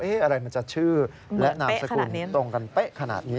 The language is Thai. อะไรมันจะชื่อและนามสกุลตรงกันเป๊ะขนาดนี้